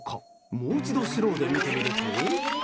もう一度スローで見てみると。